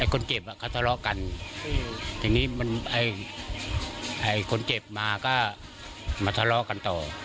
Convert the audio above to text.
คนเจ็บเขาทะเลาะกันทีนี้มันไอ้คนเจ็บมาก็มาทะเลาะกันต่อ